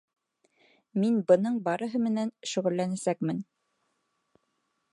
Мин бының барыһы менән шөғөләннәсәкмен.